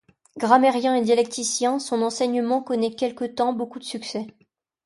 Grammairien et dialecticien, son enseignement connaît quelque temps beaucoup de succès.